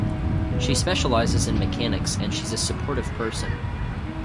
She specializes in mechanics and she's a supportive person.